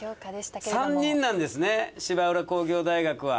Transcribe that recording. ３人なんですね芝浦工業大学は。